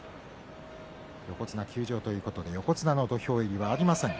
横綱休場ということで横綱の土俵入りはありません